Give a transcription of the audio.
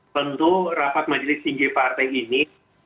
tentu rapat majelis tinggi partai ini